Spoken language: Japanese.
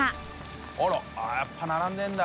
舛やっぱ並んでるんだ。